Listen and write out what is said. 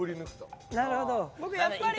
僕やっぱり。